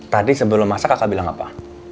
tadi sebelum masak kakak bilang apa